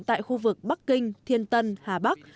tại khu vực bắc kinh thiên tân hà bắc